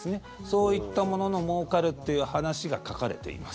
そういったもののもうかるっていう話が書かれています。